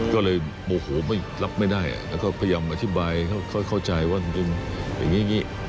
ก็เลยโมโหรับไม่ได้แล้วก็พยายามอธิบายเข้าใจว่ามันเป็นอย่างนี้